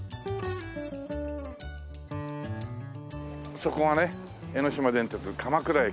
そこがね江ノ島電鉄鎌倉駅。